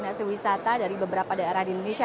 atau destinasi wisata dari beberapa daerah di indonesia